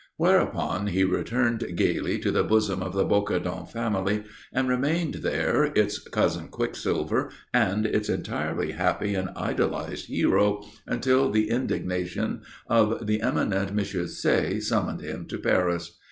Whereupon he returned gaily to the bosom of the Bocardon family and remained there, its Cousin Quicksilver and its entirely happy and idolized hero, until the indignation of the eminent M. Say summoned him to Paris.